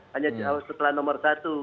hanya setelah nomor satu